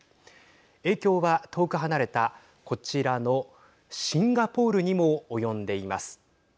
影響は遠く離れた、こちらのシンガポールにも及んでいます。